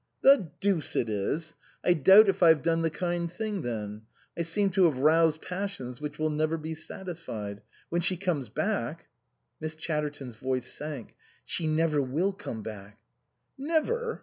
" The deuce it is ! I doubt if I've done the kind thing then. I seem to have roused passions which will never be satisfied. When she comes back " Miss Chatterton's voice sank. " She never will come back." " Never